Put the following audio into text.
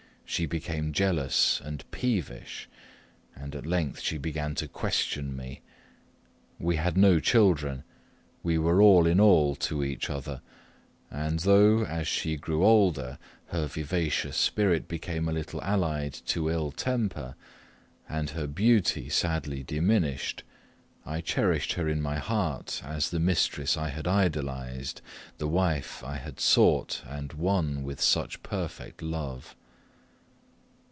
She became jealous and peevish, and at length she began to question me. We had no children; we were all in all to each other; and though, as she grew older, her vivacious spirit became a little allied to ill temper, and her beauty sadly diminished, I cherished her in my heart as the mistress I had idolized, the wife I had sought and won with such perfect love.